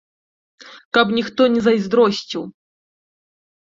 Каб ніхто не зайздросціў.